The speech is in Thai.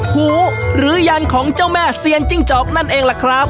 หูหรือยันของเจ้าแม่เซียนจิ้งจอกนั่นเองล่ะครับ